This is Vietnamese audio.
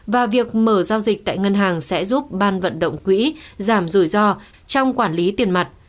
và việc mở giao dịch tại ngân hàng sẽ giúp ban vận động quỹ giảm rủi ro trong quản lý tiền mặt